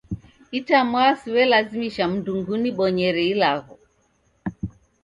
Itamwaa siwe'lazimisha mndungi unibonyere ilagho